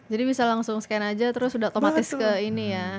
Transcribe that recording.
jadi bisa langsung scan aja terus udah otomatis ke ini ya